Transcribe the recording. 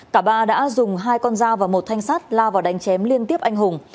cả ba đã dùng hai con da và một thanh sát la vào đánh chém liên tiếp anh hùng